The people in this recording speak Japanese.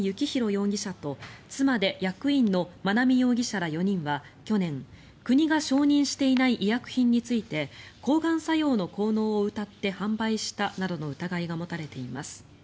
容疑者と妻で役員の茉奈美容疑者ら４人は去年国が承認していない医薬品について抗がん作用の効能をうたって販売したなどの疑いが持たれています。